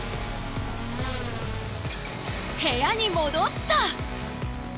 部屋に戻った！